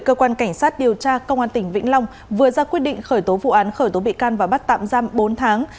cơ quan cảnh sát điều tra công an tỉnh vĩnh long vừa ra quyết định khởi tố vụ án khởi tố bị can và bắt tạm giam bốn tháng